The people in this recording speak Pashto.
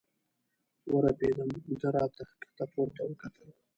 ورپېدم، ده را ته ښکته پورته وکتل.